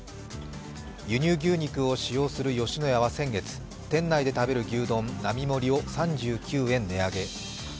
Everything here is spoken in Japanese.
輸入牛肉を使用する吉野家は先月店内で食べる牛丼並盛を３９円値上げ。